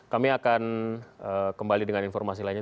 kami akan kembali dengan informasi lainnya